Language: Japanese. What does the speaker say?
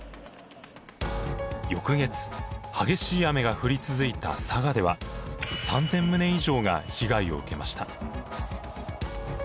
翌月激しい雨が降り続いた佐賀では３，０００棟以上が被害を受けました。